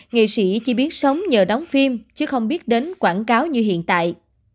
nghệ sĩ chỉ biết sống nhờ đóng phim chứ không biết đến quảng cáo như hiện tại